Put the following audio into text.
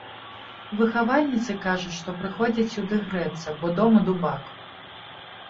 Выхавальніцы кажуць, што прыходзяць сюды грэцца, бо дома дубак.